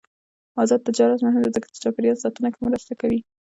آزاد تجارت مهم دی ځکه چې چاپیریال ساتنه کې مرسته کوي.